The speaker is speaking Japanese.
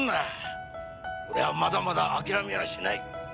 俺はまだまだ諦めはしない！